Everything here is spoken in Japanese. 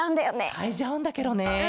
かいじゃうんだケロね。